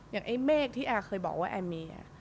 อย่างไอ้เมฆที่แอร์เคยบอกว่าแอร์มี